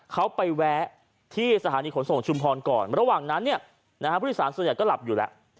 เขาไปแวะที่สถานีขนส่งชุมพรก่อนระหว่างนั้นเนี่ยนะฮะผู้โดยสารส่วนใหญ่ก็หลับอยู่แล้ว